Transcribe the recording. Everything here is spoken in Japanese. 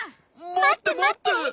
まってまって！